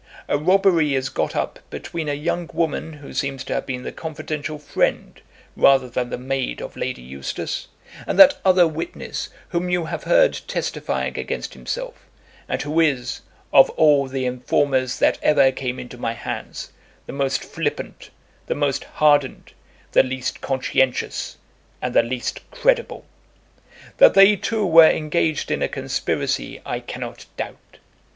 A robbery is got up between a young woman who seems to have been the confidential friend rather than the maid of Lady Eustace, and that other witness whom you have heard testifying against himself, and who is, of all the informers that ever came into my hands, the most flippant, the most hardened, the least conscientious, and the least credible. That they two were engaged in a conspiracy I cannot doubt.